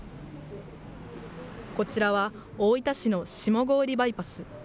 こちらは大分市の下郡バイパス。